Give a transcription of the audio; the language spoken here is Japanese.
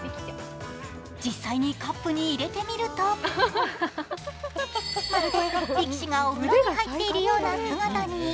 実際にカップに入れてみるとまるで力士がお風呂に入っているような姿に。